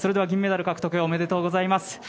銀メダル獲得おめでとうございます。